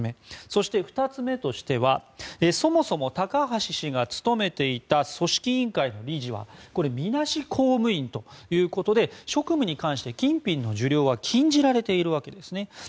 そして２つ目としてはそもそも、高橋氏が務めていた組織委員会の理事はみなし公務員ということで職務に関して金品の受領は禁じられているわけですね。